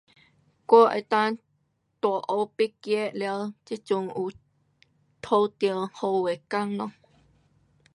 我能够大学毕业了这阵有讨到好的工咯。